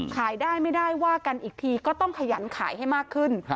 ขายได้ไม่ได้ว่ากันอีกทีก็ต้องขยันขายให้มากขึ้น